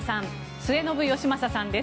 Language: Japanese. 末延吉正さんです。